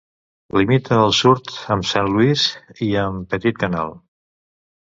Limita al sud amb Saint-Louis i amb Petit-Canal.